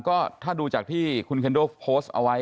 ก็ถ้าดูจากที่คุณเคนโดโพสต์เอาไว้